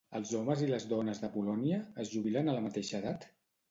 Els homes i les dones de Polònia, es jubilen a la mateixa edat?